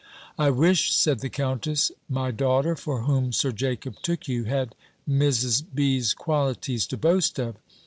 "I wish," said the countess, "my daughter, for whom Sir Jacob took you, had Mrs. B.'s qualities to boast of."